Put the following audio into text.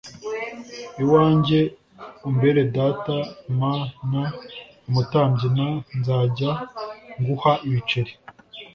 iwanjye umbere data m n umutambyi n nzajya nguha ibiceri